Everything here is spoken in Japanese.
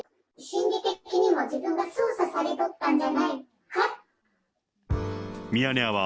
心理的にも自分が操作されとったんじゃないか。